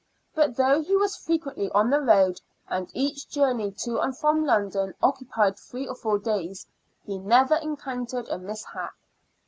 But though he was frequently on the road, and each journey to and from London occupied three or four days, he never encountered a mishap.